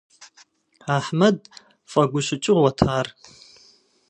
Ахьмэд фӀэгущыкӀыгъуэт ар.